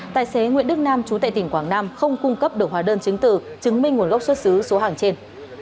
tài xế nguyễn đức nam chú tại tỉnh quảng nam không cung cấp được hóa đơn chứng từ chứng minh nguồn gốc xuất xứ số hàng trên